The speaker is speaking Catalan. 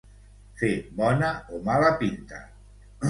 Fer bona o mala pinta.